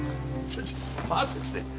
ちょっと待てって！